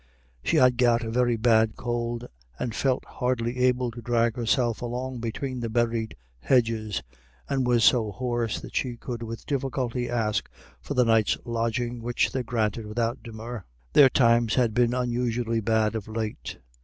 She had got a very bad cold, and felt hardly able to drag herself along between the berried hedges, and was so hoarse that she could with difficulty ask for the night's lodging, which they granted without demur. Their times had been unusually bad of late.